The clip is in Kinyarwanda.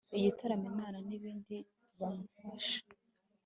igitaramo, inama, n'ibindi bamufasha